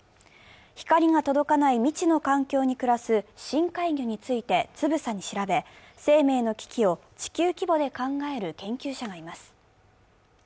光が届かない未知の環境に暮らす深海魚についてつぶさに調べ、生命の危機を地球規模で考える研究者がいます。